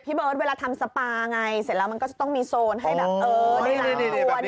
พี่เบิร์ตเวลาทำสปาไงเสร็จแล้วมันก็ต้องมีโซนให้แบบ